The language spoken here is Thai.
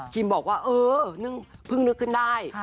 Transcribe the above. บอกว่าเออเพิ่งนึกขึ้นได้